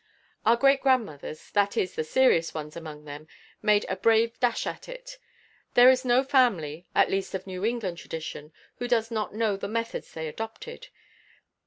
Our great grandmothers, that is, the serious ones among them, made a brave dash at it. There is no family, at least of New England tradition, who does not know the methods they adopted.